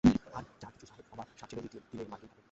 আর যা কিছু সাহেব হবার সাধ ছিল, মিটিয়ে দিলে মার্কিন ঠাকুর।